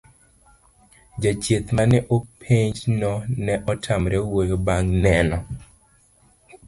jachieth mane openj no ne otamore wuoyo bang' neno